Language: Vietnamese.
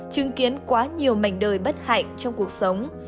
chứng kiến quá nhiều mảnh đời bất hạnh trong cuộc sống